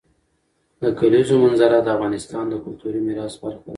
د کلیزو منظره د افغانستان د کلتوري میراث برخه ده.